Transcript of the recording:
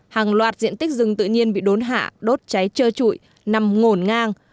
hàng loạt diện tích rừng tự nhiên bị đốn hạ đốt cháy trơ trụi nằm ngổn ngang